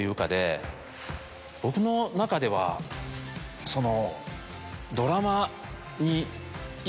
僕の中ではその。